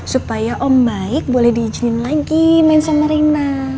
supaya om baik boleh diijinin lagi main sama reina